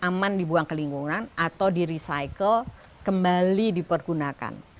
itu aman dibuang ke lingkungan atau direcycle kembali dipergunakan